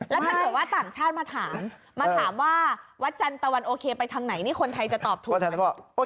แล้วถ้าเกิดว่าต่างชาติมาถามมาถามว่าวัดจันตะวันโอเคไปทางไหนนี่คนไทยจะตอบถูก